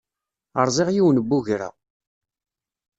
Rẓiɣ yiwen n ugra.